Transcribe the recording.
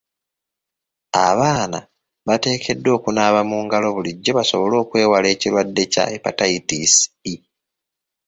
Abaana bateekeddwa okunaaba mu ngalo bulijjo basobole okwewala ekirwadde kya Hepatitis E.